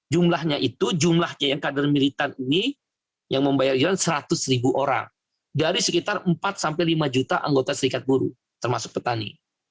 jumlahnya itu jumlah yang kader militan ini yang membayar iuran seratus ribu orang dari sekitar empat sampai lima juta anggota serikat buruh termasuk petani